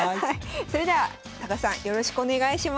それでは高橋さんよろしくお願いします。